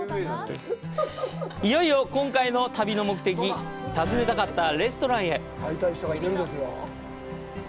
いよいよ今回の旅の目的、訪ねたかったレストランへ。